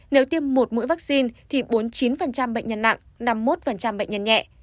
nếu tiêm một mũi vaccine thì bốn mươi chín bệnh nhân nặng năm mươi một bệnh nhân nhẹ